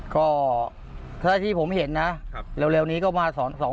ก็ถ้าที่ผมเห็นนะเร็วนี้ก็มาสอน